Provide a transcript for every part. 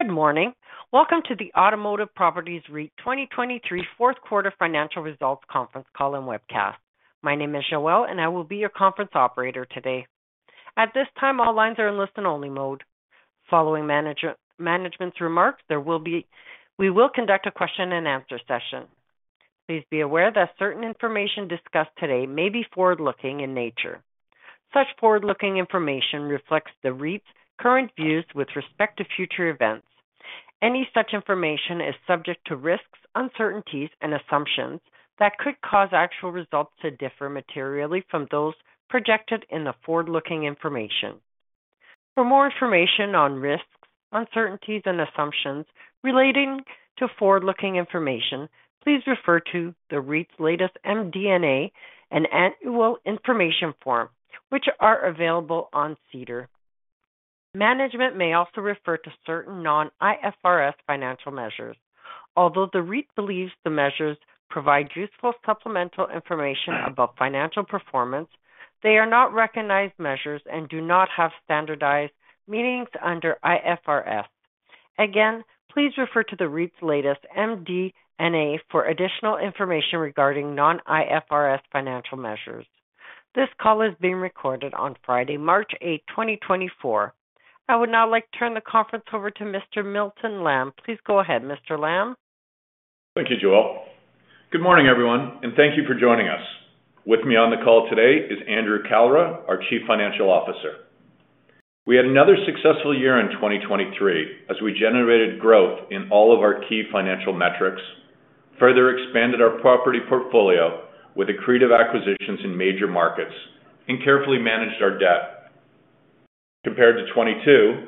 Good morning. Welcome to the Automotive Properties REIT 2023 fourth quarter financial results conference call and webcast. My name is Joelle, and I will be your conference operator today. At this time, all lines are in listen-only mode. Following management's remarks, we will conduct a question-and-answer session. Please be aware that certain information discussed today may be forward-looking in nature. Such forward-looking information reflects the REIT's current views with respect to future events. Any such information is subject to risks, uncertainties, and assumptions that could cause actual results to differ materially from those projected in the forward-looking information. For more information on risks, uncertainties, and assumptions relating to forward-looking information, please refer to the REIT's latest MD&A and Annual Information Form, which are available on SEDAR. Management may also refer to certain non-IFRS financial measures. Although the REIT believes the measures provide useful supplemental information about financial performance, they are not recognized measures and do not have standardized meanings under IFRS. Again, please refer to the REIT's latest MD&A for additional information regarding non-IFRS financial measures. This call is being recorded on Friday, March eighth, 2024. I would now like to turn the conference over to Mr. Milton Lamb. Please go ahead, Mr. Lamb. Thank you, Joelle. Good morning, everyone, and thank you for joining us. With me on the call today is Andrew Kalra, our Chief Financial Officer. We had another successful year in 2023 as we generated growth in all of our key financial metrics, further expanded our property portfolio with accretive acquisitions in major markets, and carefully managed our debt. Compared to 2022,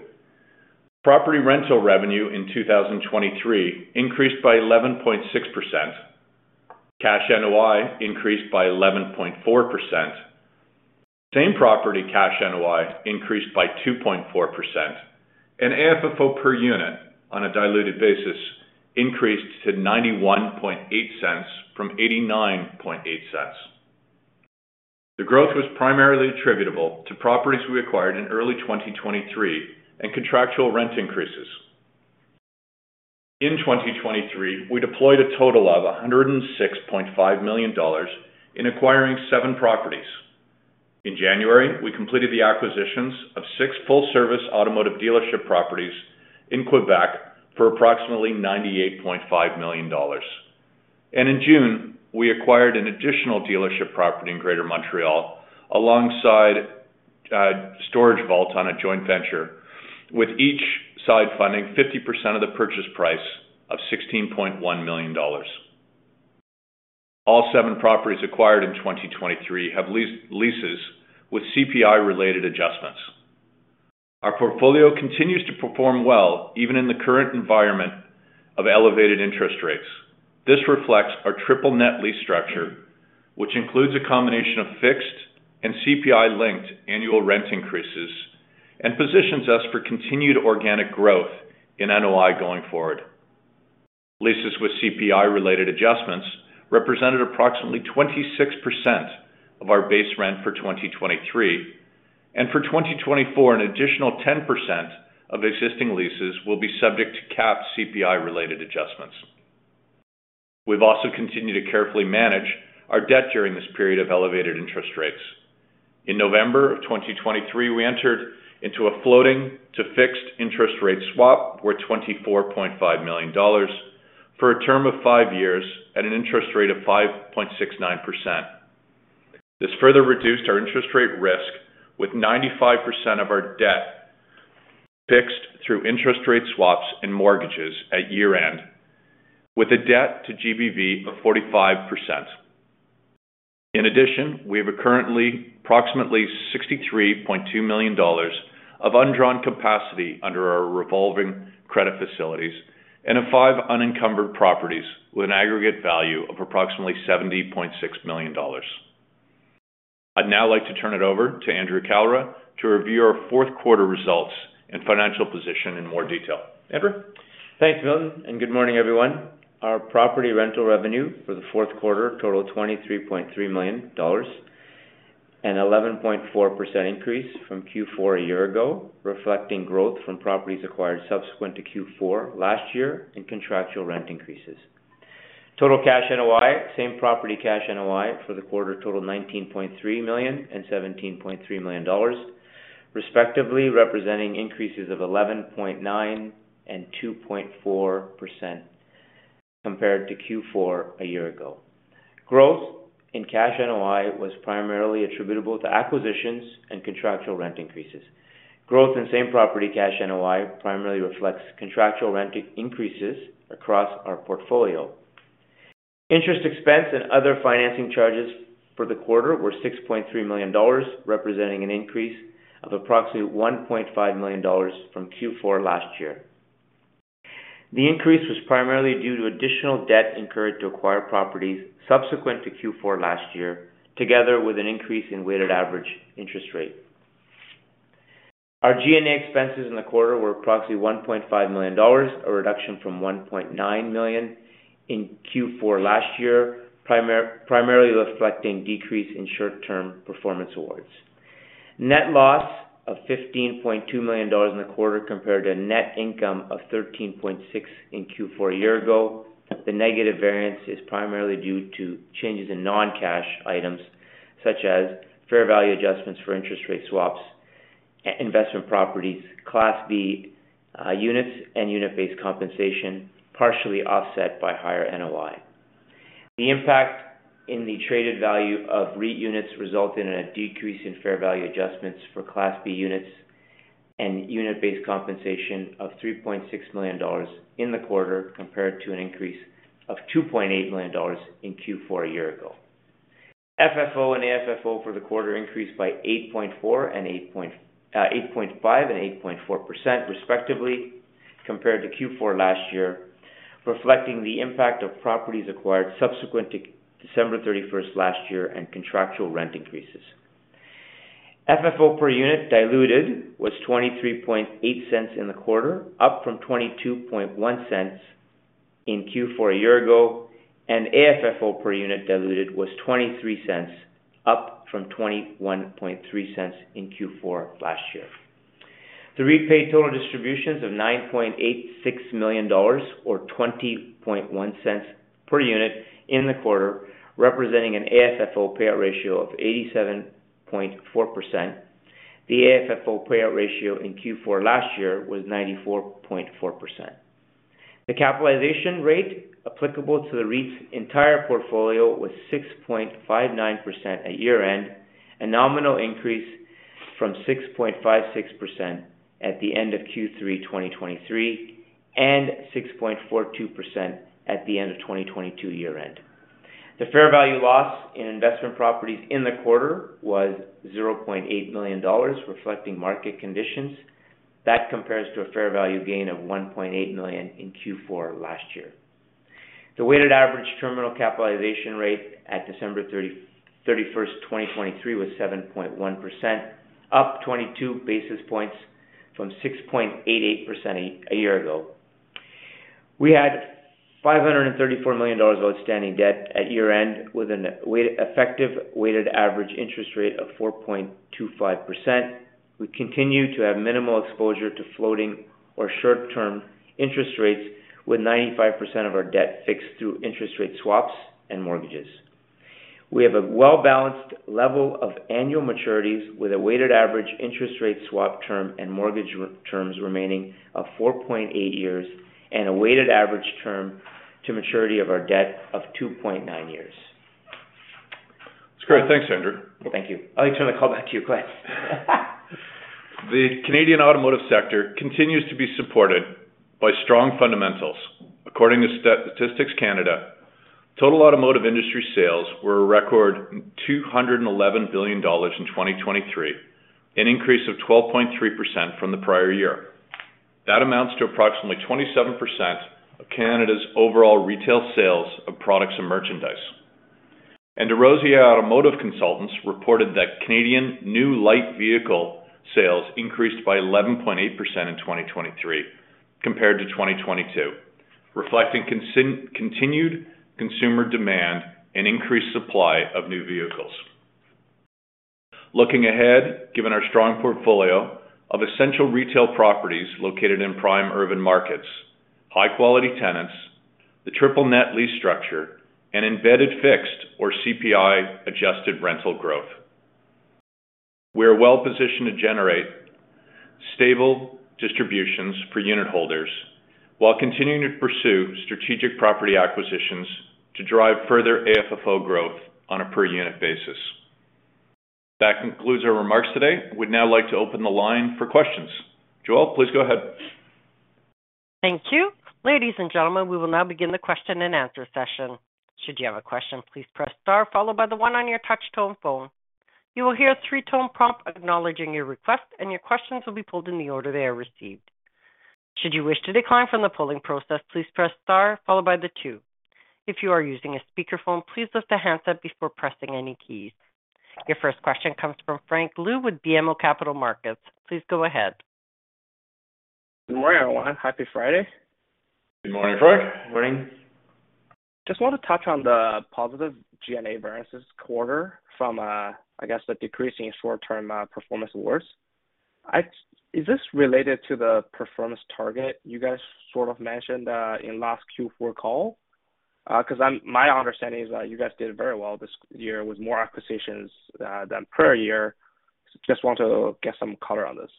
property rental revenue in 2023 increased by 11.6%, cash NOI increased by 11.4%, same property cash NOI increased by 2.4%, and AFFO per unit on a diluted basis increased to 0.918 from 0.898. The growth was primarily attributable to properties we acquired in early 2023 and contractual rent increases. In 2023, we deployed a total of 106.5 million dollars in acquiring seven properties. In January, we completed the acquisitions of six full-service automotive dealership properties in Quebec for approximately 98.5 million dollars. In June, we acquired an additional dealership property in Greater Montreal, alongside storage vaults on a joint venture, with each side funding 50% of the purchase price of 16.1 million dollars. All seven properties acquired in 2023 have leases with CPI-related adjustments. Our portfolio continues to perform well, even in the current environment of elevated interest rates. This reflects our triple net lease structure, which includes a combination of fixed and CPI-linked annual rent increases and positions us for continued organic growth in NOI going forward. Leases with CPI-related adjustments represented approximately 26% of our base rent for 2023, and for 2024, an additional 10% of existing leases will be subject to capped CPI-related adjustments. We've also continued to carefully manage our debt during this period of elevated interest rates. In November of 2023, we entered into a floating-to-fixed interest rate swap where 24.5 million dollars for a term of five years at an interest rate of 5.69%. This further reduced our interest rate risk with 95% of our debt fixed through interest rate swaps and mortgages at year-end, with a debt to GBV of 45%. In addition, we have currently approximately 63.2 million dollars of undrawn capacity under our revolving credit facilities and a five unencumbered properties with an aggregate value of approximately 70.6 million dollars. I'd now like to turn it over to Andrew Kalra to review our fourth quarter results and financial position in more detail. Andrew? Thanks, Milton, and good morning, everyone. Our property rental revenue for the fourth quarter totaled 23.3 million dollars, an 11.4% increase from Q4 a year ago, reflecting growth from properties acquired subsequent to Q4 last year and contractual rent increases. Total cash NOI, same-property cash NOI for the quarter totaled 19.3 million and 17.3 million dollars, respectively, representing increases of 11.9% and 2.4% compared to Q4 a year ago. Growth in cash NOI was primarily attributable to acquisitions and contractual rent increases. Growth in same-property cash NOI primarily reflects contractual rent increases across our portfolio. Interest expense and other financing charges for the quarter were 6.3 million dollars, representing an increase of approximately 1.5 million dollars from Q4 last year. The increase was primarily due to additional debt incurred to acquire properties subsequent to Q4 last year, together with an increase in weighted average interest rate. Our G&A expenses in the quarter were approximately 1.5 million dollars, a reduction from 1.9 million in Q4 last year, primarily reflecting decrease in short-term performance awards. Net loss of 15.2 million dollars in the quarter, compared to a net income of 13.6 million in Q4 a year ago. The negative variance is primarily due to changes in non-cash items, such as fair value adjustments for interest rate swaps, investment properties, Class B units, and unit-based compensation, partially offset by higher NOI. The impact in the traded value of REIT units resulted in a decrease in fair value adjustments for Class B units and unit-based compensation of 3.6 million dollars in the quarter, compared to an increase of 2.8 million dollars in Q4 a year ago. FFO and AFFO for the quarter increased by 8.4% and 8.5% and 8.4%, respectively, compared to Q4 last year, reflecting the impact of properties acquired subsequent to December 31 last year and contractual rent increases. FFO per unit diluted was 0.238 in the quarter, up from 0.221 in Q4 a year ago, and AFFO per unit diluted was 0.23, up from 0.213 in Q4 last year. The REIT paid total distributions of 9.86 million dollars, or 20.1 cents per unit in the quarter, representing an AFFO payout ratio of 87.4%. The AFFO payout ratio in Q4 last year was 94.4%. The capitalization rate applicable to the REIT's entire portfolio was 6.59% at year-end, a nominal increase from 6.56% at the end of Q3, 2023, and 6.42% at the end of 2022 year-end. The fair value loss in investment properties in the quarter was 0.8 million dollars, reflecting market conditions. That compares to a fair value gain of 1.8 million in Q4 last year. The weighted average terminal capitalization rate at December 31, 2023, was 7.1%, up 22 basis points from 6.88% a year ago. We had 534 million dollars of outstanding debt at year-end, with an effective weighted average interest rate of 4.25%. We continue to have minimal exposure to floating or short-term interest rates, with 95% of our debt fixed through interest rate swaps and mortgages. We have a well-balanced level of annual maturities with a weighted average interest rate swap term and mortgage terms remaining of 4.8 years, and a weighted average term to maturity of our debt of 2.9 years. That's great. Thanks, Andrew. Well, thank you. I'll turn the call back to you, then. The Canadian automotive sector continues to be supported by strong fundamentals. According to Statistics Canada, total automotive industry sales were a record 211 billion dollars in 2023, an increase of 12.3% from the prior year. That amounts to approximately 27% of Canada's overall retail sales of products and merchandise. DesRosiers Automotive Consultants reported that Canadian new light vehicle sales increased by 11.8% in 2023 compared to 2022, reflecting continued consumer demand and increased supply of new vehicles. Looking ahead, given our strong portfolio of essential retail properties located in prime urban markets, high quality tenants, the triple net lease structure, and embedded fixed or CPI-adjusted rental growth, we are well positioned to generate stable distributions per unitholders while continuing to pursue strategic property acquisitions to drive further AFFO growth on a per unit basis. That concludes our remarks today. We'd now like to open the line for questions. Joelle, please go ahead. Thank you. Ladies and gentlemen, we will now begin the question-and-answer session. Should you have a question, please press star followed by the one on your touch tone phone. You will hear a three-tone prompt acknowledging your request, and your questions will be pulled in the order they are received. Should you wish to decline from the polling process, please press star followed by the two. If you are using a speakerphone, please lift the handset before pressing any keys. Your first question comes from Frank Liu with BMO Capital Markets. Please go ahead. Good morning, everyone. Happy Friday. Good morning, Frank. Morning. Just want to touch on the positive G&A variances quarter from, I guess, the decreasing short-term performance awards. Is this related to the performance target you guys sort of mentioned in last Q4 call? Because my understanding is that you guys did very well this year with more acquisitions than prior year. Just want to get some color on this.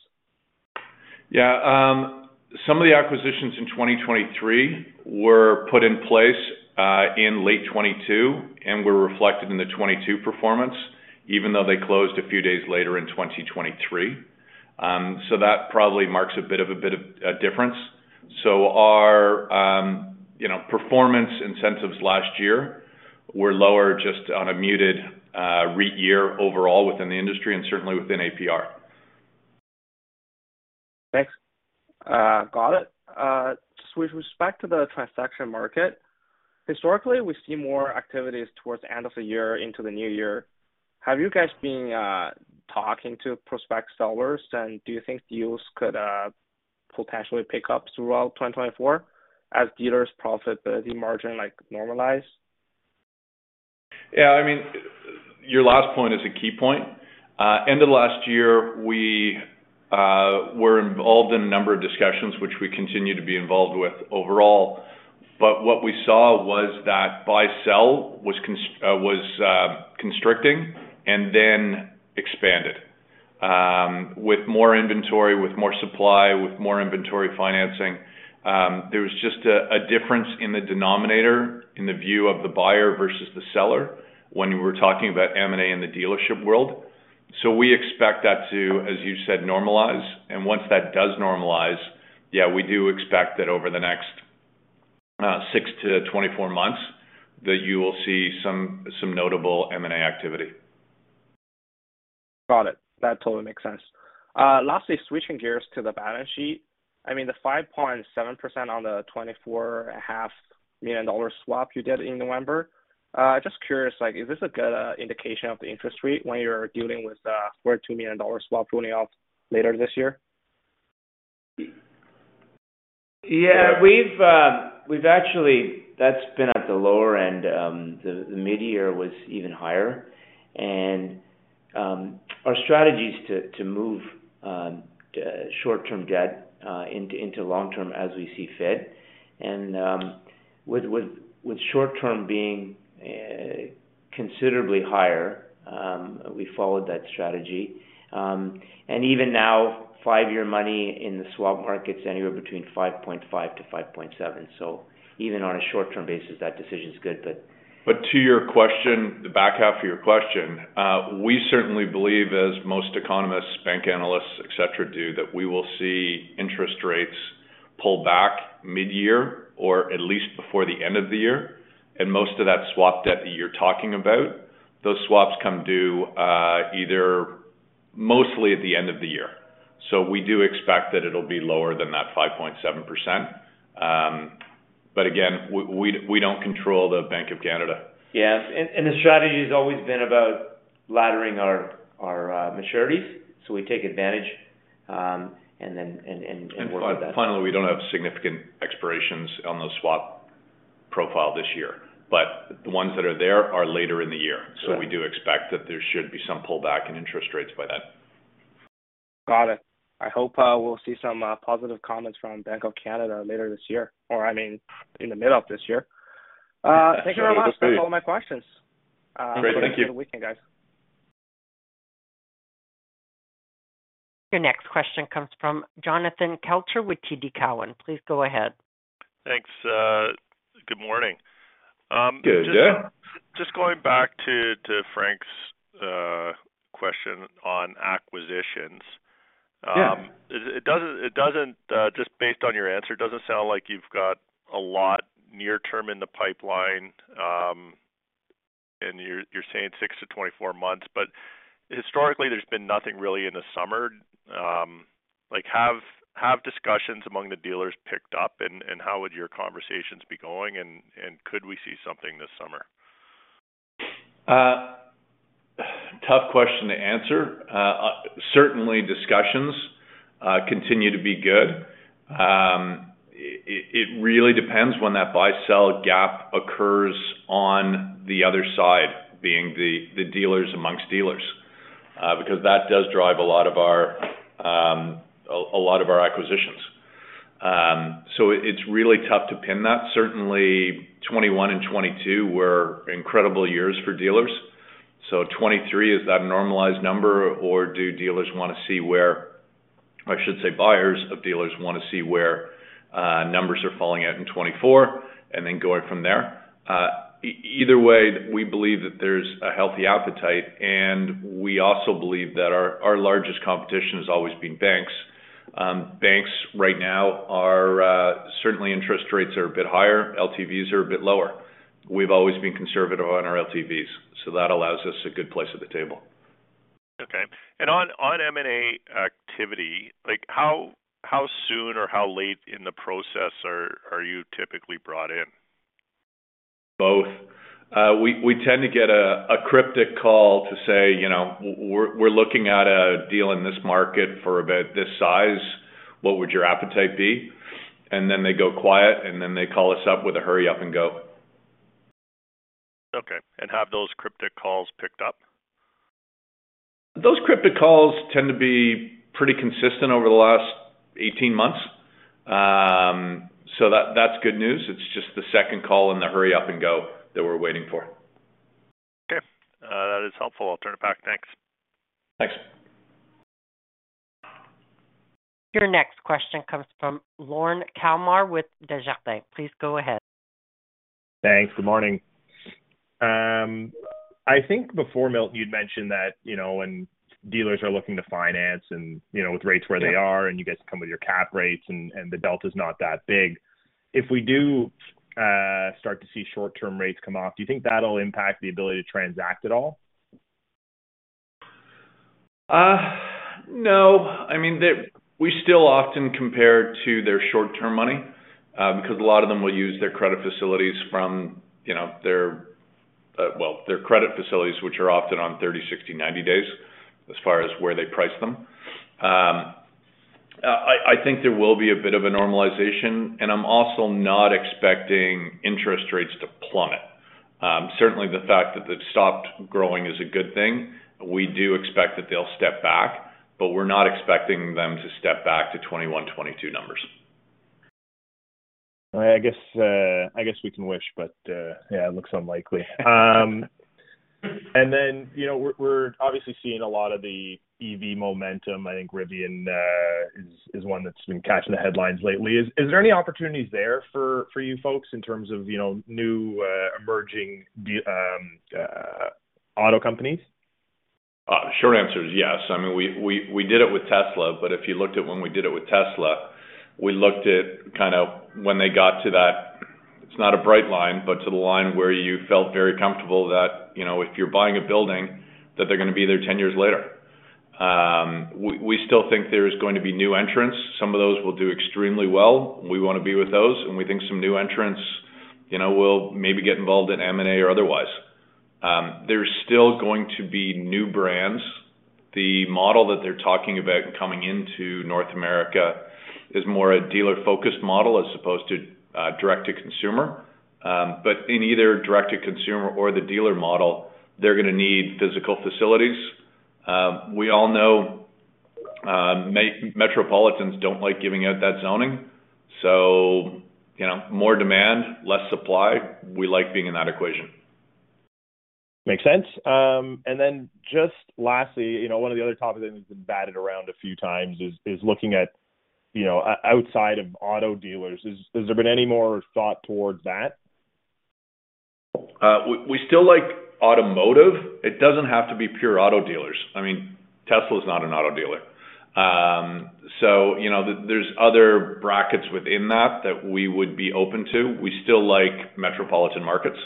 Yeah, some of the acquisitions in 2023 were put in place in late 2022 and were reflected in the 2022 performance, even though they closed a few days later in 2023. So that probably marks a bit of, a bit of a difference. So our, you know, performance incentives last year were lower, just on a muted REIT year overall within the industry and certainly within APR. Thanks. Got it. Just with respect to the transaction market, historically, we see more activities towards the end of the year into the new year. Have you guys been talking to prospective sellers, and do you think deals could potentially pick up throughout 2024 as dealers' profitability margin, like, normalize? Yeah, I mean, your last point is a key point. End of last year, we were involved in a number of discussions, which we continue to be involved with overall. But what we saw was that buy-sell was constricting and then expanded with more inventory, with more supply, with more inventory financing. There was just a difference in the denominator, in the view of the buyer versus the seller, when we were talking about M&A in the dealership world. So we expect that to, as you said, normalize, and once that does normalize, yeah, we do expect that over the next six to 24 months, that you will see some notable M&A activity. Got it. That totally makes sense. Lastly, switching gears to the balance sheet. I mean, the 5.7% on the 24.5 million dollar swap you did in November, just curious, like, is this a good indication of the interest rate when you're dealing with the 42 million dollar swap running off later this year? Yeah, we've actually. That's been at the lower end. The mid-year was even higher. Our strategy is to move short-term debt into long-term as we see fit. And with short-term being considerably higher, we followed that strategy. And even now, five-year money in the swap market is anywhere between 5.5-5.7. So even on a short-term basis, that decision is good. But to your question, the back half of your question, we certainly believe, as most economists, bank analysts, et cetera, do, that we will see interest rates pull back mid-year or at least before the end of the year. And most of that swap debt that you're talking about, those swaps come due, either mostly at the end of the year. So we do expect that it'll be lower than that 5.7%. But again, we don't control the Bank of Canada. Yes, and the strategy has always been about laddering our maturities. So we take advantage, and then work with that. Finally, we don't have significant expirations on the swap profile this year, but the ones that are there are later in the year. We do expect that there should be some pullback in interest rates by then. Got it. I hope we'll see some positive comments from Bank of Canada later this year, or, I mean, in the middle of this year. Thank you very much. Agreed. That's all of my questions. Great. Thank you. Thank you. Have a good weekend, guys. Your next question comes from Jonathan Kelcher with TD Cowen. Please go ahead. Thanks. Good morning. Good day. Just going back to Frank's question on acquisitions. Yeah. It doesn't just based on your answer, it doesn't sound like you've got a lot near term in the pipeline, and you're saying six to 24 months, but historically, there's been nothing really in the summer. Like, have discussions among the dealers picked up, and how would your conversations be going, and could we see something this summer? Tough question to answer. Certainly discussions continue to be good. It really depends when that buy-sell gap occurs on the other side, being the dealers amongst dealers, because that does drive a lot of our acquisitions. So it's really tough to pin that. Certainly, 2021 and 2022 were incredible years for dealers. So 2023, is that a normalized number, or do dealers want to see where... I should say, buyers of dealers want to see where numbers are falling out in 2024, and then going from there? Either way, we believe that there's a healthy appetite, and we also believe that our largest competition has always been banks. Banks right now are certainly interest rates are a bit higher. LTVs are a bit lower. We've always been conservative on our LTVs, so that allows us a good place at the table. Okay. On M&A activity, like, how soon or how late in the process are you typically brought in? Both. We tend to get a cryptic call to say, "You know, we're looking at a deal in this market for about this size. What would your appetite be?" And then they go quiet, and then they call us up with a hurry-up-and-go. Okay. Have those cryptic calls picked up? Those cryptic calls tend to be pretty consistent over the last 18 months. So that, that's good news. It's just the second call and the hurry-up-and-go that we're waiting for. Okay. That is helpful. I'll turn it back. Thanks. Thanks. Your next question comes from Lorne Kalmar with Desjardins. Please go ahead. Thanks. Good morning. I think before, Milton, you'd mentioned that, you know, when dealers are looking to finance and, you know, with rates where they are. Yeah. And you guys come with your cap rates, and the delta is not that big. If we do start to see short-term rates come off, do you think that'll impact the ability to transact at all? No. I mean, they we still often compare to their short-term money, because a lot of them will use their credit facilities from, you know, their, well, their credit facilities, which are often on 30, 60, 90 days, as far as where they price them. I think there will be a bit of a normalization, and I'm also not expecting interest rates to plummet. Certainly the fact that they've stopped growing is a good thing. We do expect that they'll step back, but we're not expecting them to step back to 21, 22 numbers. I guess, I guess we can wish, but, yeah, it looks unlikely. And then, you know, we're, we're obviously seeing a lot of the EV momentum. I think Rivian, is, is one that's been catching the headlines lately. Is, is there any opportunities there for, for you folks in terms of, you know, new, emerging auto companies? Short answer is yes. I mean, we did it with Tesla, but if you looked at when we did it with Tesla, we looked at kind of when they got to that, it's not a bright line, but to the line where you felt very comfortable that, you know, if you're buying a building, that they're gonna be there ten years later. We still think there's going to be new entrants. Some of those will do extremely well. We wanna be with those, and we think some new entrants, you know, will maybe get involved in M&A or otherwise. There's still going to be new brands. The model that they're talking about coming into North America is more a dealer-focused model as opposed to direct to consumer. But in either direct to consumer or the dealer model, they're gonna need physical facilities. We all know, municipalities don't like giving out that zoning, so you know, more demand, less supply. We like being in that equation. Makes sense. And then just lastly, you know, one of the other topics that has been batted around a few times is looking at, you know, outside of auto dealers. Has there been any more thought towards that? We still like automotive. It doesn't have to be pure auto dealers. I mean, Tesla's not an auto dealer. So you know, there's other brackets within that we would be open to. We still like metropolitan markets,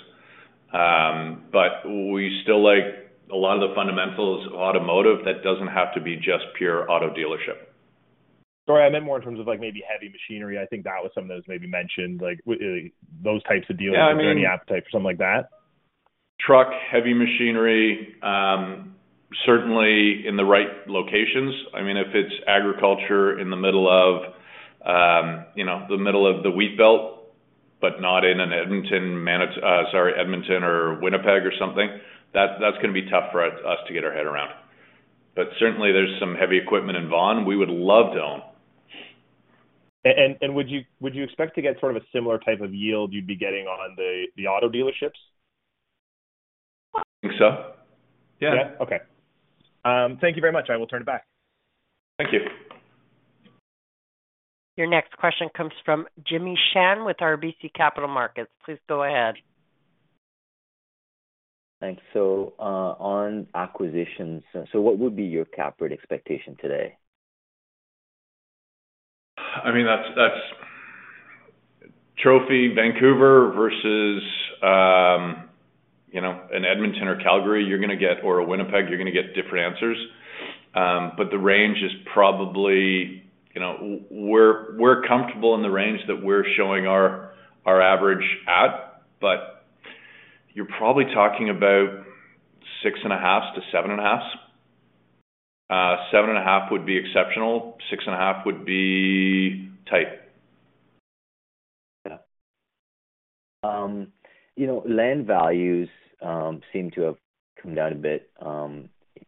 but we still like a lot of the fundamentals of automotive. That doesn't have to be just pure auto dealership. Sorry, I meant more in terms of, like, maybe heavy machinery. I think that was something that was maybe mentioned, like those types of dealers. Yeah, I mean- Is there any appetite for something like that? Truck, heavy machinery, certainly in the right locations. I mean, if it's agriculture in the middle of, you know, the middle of the Wheat Belt, but not in an Edmonton, Edmonton or Winnipeg or something, that, that's gonna be tough for us to get our head around. But certainly there's some heavy equipment in Vaughan we would love to own. And would you expect to get sort of a similar type of yield you'd be getting on the auto dealerships? I think so. Yeah. Yeah? Okay. Thank you very much. I will turn it back. Thank you. Your next question comes from Jimmy Shan with RBC Capital Markets. Please go ahead. Thanks. On acquisitions, so what would be your cap rate expectation today? I mean, that's trophy Vancouver versus, you know, an Edmonton or Calgary, you're gonna get or a Winnipeg, you're gonna get different answers. But the range is probably, you know, we're comfortable in the range that we're showing our average at, but you're probably talking about 6.5-7.5. 7.5 would be exceptional. 6.5 would be tight. Yeah. You know, land values seem to have come down a bit.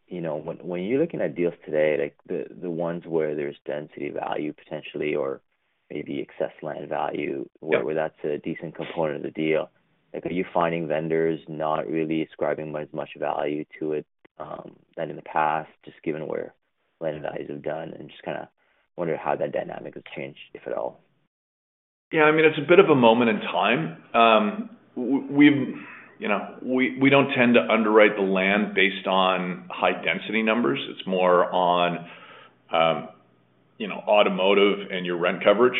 You know, when you're looking at deals today, like the ones where there's density value potentially or maybe excess land value- Yeah -where that's a decent component of the deal, like, are you finding vendors not really ascribing quite as much value to it, than in the past, just given where land values have gone? And just kinda wonder how that dynamic has changed, if at all. Yeah, I mean, it's a bit of a moment in time. We, you know, we don't tend to underwrite the land based on high density numbers. It's more on, you know, automotive and your rent coverage.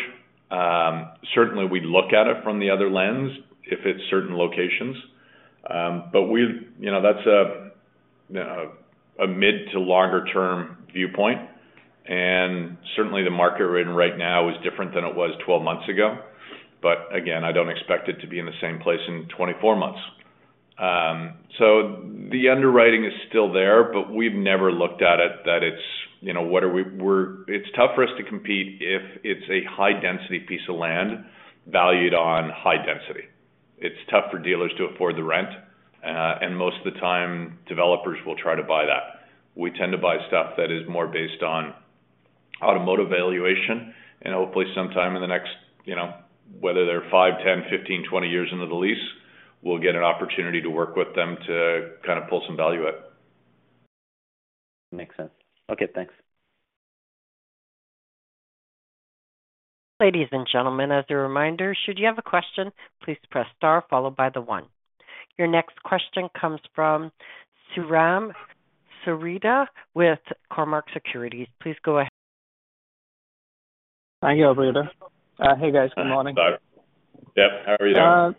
Certainly we'd look at it from the other lens if it's certain locations. But we've, you know, that's a mid to longer term viewpoint, and certainly the market we're in right now is different than it was 12 months ago. But again, I don't expect it to be in the same place in 24 months. So the underwriting is still there, but we've never looked at it, that it's, you know, what are we, we're, it's tough for us to compete if it's a high density piece of land, valued on high density. It's tough for dealers to afford the rent, and most of the time, developers will try to buy that. We tend to buy stuff that is more based on automotive valuation, and hopefully sometime in the next, you know, whether they're five, 10, 15, 20 years into the lease, we'll get an opportunity to work with them to kind of pull some value out. Makes sense. Okay, thanks. Ladies and gentlemen, as a reminder, should you have a question, please press Star followed by the one. Your next question comes from Sairam Srinivas with Cormark Securities. Please go ahead. Thank you, Operator. Hey, guys. Good morning. Hi, Jeff, how are you doing?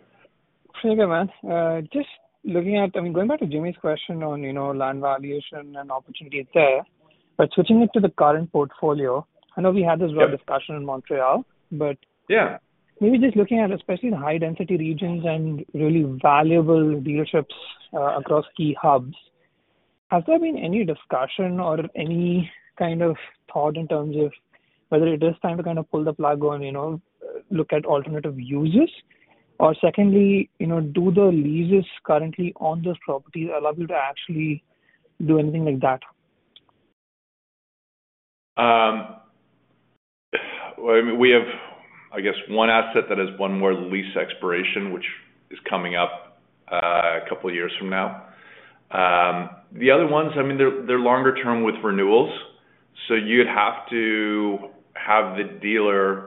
Pretty good, man. Just looking at... I mean, going back to Jimmy's question on, you know, land valuation and opportunity there, but switching it to the current portfolio, I know we had this- Yeah discussion in Montreal, but Yeah Maybe just looking at especially the high-density regions and really valuable dealerships, across key hubs. Has there been any discussion or any kind of thought in terms of whether it is time to kind of pull the plug on, you know, look at alternative uses? Or secondly, you know, do the leases currently on those properties allow you to actually do anything like that? Well, I mean, we have, I guess, one asset that has one more lease expiration, which is coming up, a couple of years from now. The other ones, I mean, they're, they're longer term with renewals, so you'd have to have the dealer,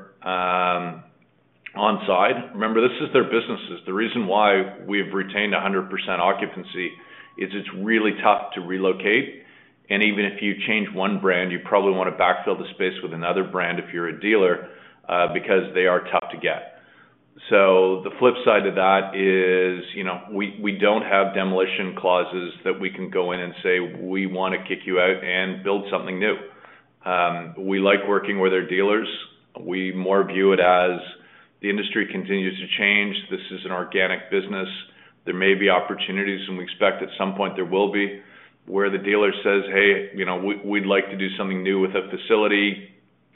on side. Remember, this is their businesses. The reason why we have retained 100% occupancy is it's really tough to relocate, and even if you change one brand, you probably want to backfill the space with another brand if you're a dealer, because they are tough to get. So the flip side to that is, you know, we, we don't have demolition clauses that we can go in and say: We want to kick you out and build something new. We like working with our dealers. We more view it as the industry continues to change; this is an organic business. There may be opportunities, and we expect at some point there will be, where the dealer says, "Hey, you know, we, we'd like to do something new with a facility.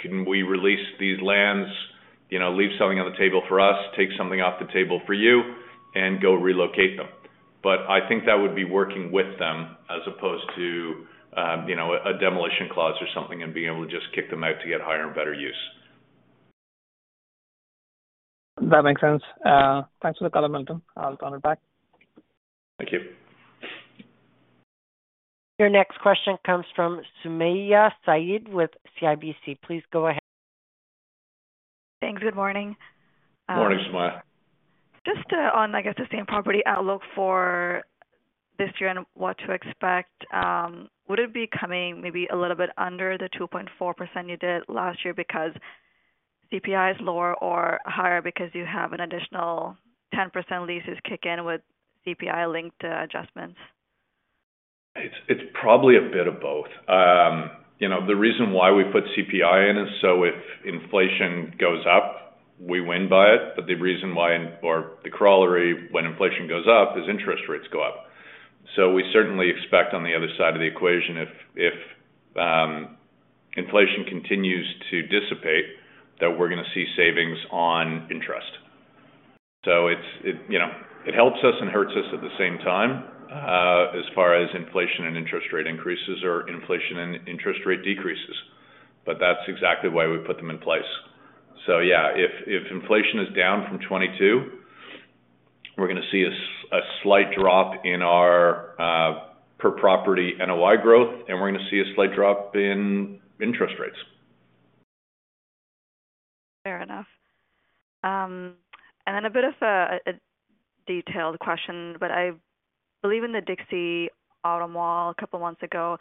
Can we release these lands? You know, leave something on the table for us, take something off the table for you," and go relocate them. But I think that would be working with them as opposed to, you know, a demolition clause or something, and being able to just kick them out to get higher and better use. That makes sense. Thanks for the clarification. I'll call it back. Thank you. Your next question comes from Sumayya Syed with CIBC. Please go ahead. Thanks. Good morning. Morning, Sumayya. Just on, I guess, the same property outlook for this year and what to expect, would it be coming maybe a little bit under the 2.4% you did last year because CPI is lower or higher, because you have an additional 10% leases kick in with CPI-linked adjustments? It's probably a bit of both. You know, the reason why we put CPI in is so if inflation goes up, we win by it. But the reason why, or the corollary, when inflation goes up, is interest rates go up. So we certainly expect on the other side of the equation, if inflation continues to dissipate, that we're gonna see savings on interest. So it, you know, it helps us and hurts us at the same time, as far as inflation and interest rate increases or inflation and interest rate decreases, but that's exactly why we put them in place. So yeah, if inflation is down from 2022, we're gonna see a slight drop in our per property NOI growth, and we're gonna see a slight drop in interest rates. Fair enough. And then a bit of a detailed question, but I believe in the Dixie Auto Mall a couple months ago,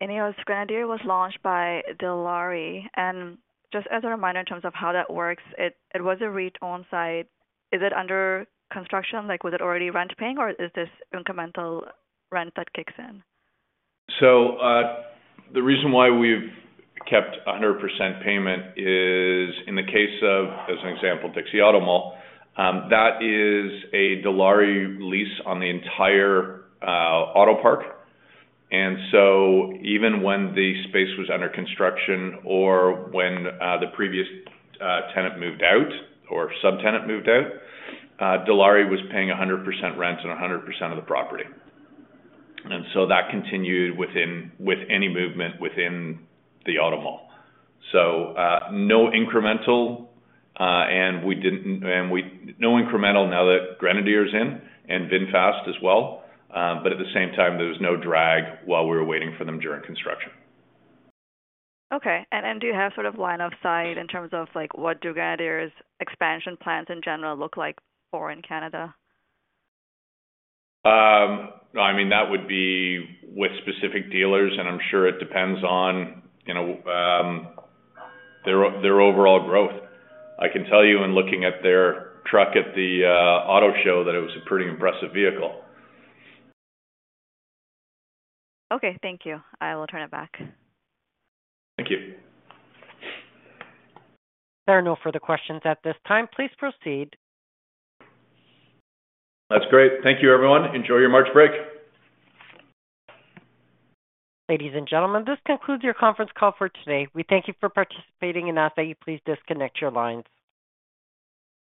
and, you know, Grenadier was launched by Dilawri. And just as a reminder, in terms of how that works, it was a re-owned site. Is it under construction? Like, was it already rent paying, or is this incremental rent that kicks in? The reason why we've kept 100% payment is in the case of, as an example, Dixie Auto Mall, that is a Dilawri lease on the entire auto park. And so even when the space was under construction or when the previous tenant moved out or subtenant moved out, Dilawri was paying 100% rent on 100% of the property. And so that continued with any movement within the Auto Mall. So, no incremental now that Grenadier is in and VinFast as well. But at the same time, there was no drag while we were waiting for them during construction. Okay. And do you have sort of line of sight in terms of, like, what do Grenadier's expansion plans in general look like for in Canada? I mean, that would be with specific dealers, and I'm sure it depends on, you know, their overall growth. I can tell you, in looking at their truck at the auto show, that it was a pretty impressive vehicle. Okay, thank you. I will turn it back. Thank you. There are no further questions at this time. Please proceed. That's great. Thank you, everyone. Enjoy your March break. Ladies and gentlemen, this concludes your conference call for today. We thank you for participating, and I ask that you please disconnect your lines.